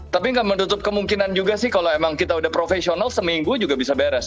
tapi nggak menutup kemungkinan juga sih kalau emang kita udah profesional seminggu juga bisa beres